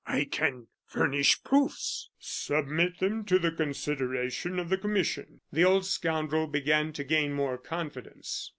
"I can furnish proofs." "Submit them to the consideration of the commission." The old scoundrel began to gain more confidence.